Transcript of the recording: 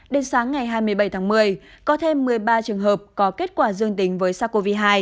đến sáng ngày hai mươi bảy tháng một mươi có thêm một mươi ba trường hợp có kết quả dương tính với sars cov hai